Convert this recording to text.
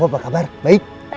apa kabar baik